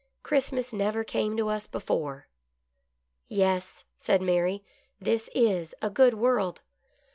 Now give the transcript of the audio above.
Christmas never came to us before." " Yes," said Mary, "this is a good world."